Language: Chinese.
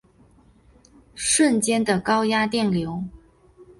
瞬间的高压电流